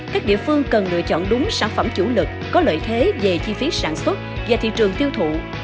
các địa phương cần lựa chọn đúng sản phẩm chủ lực có lợi thế về chi phí sản xuất và thị trường tiêu thụ